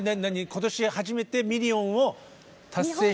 今年初めてミリオンを達成した。